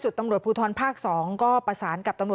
ไปตรวจสถานการณ์